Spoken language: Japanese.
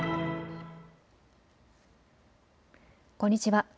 こんにちは。